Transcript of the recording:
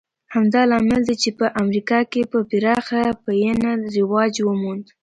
همدا لامل دی چې په امریکا کې په پراخه پینه رواج وموند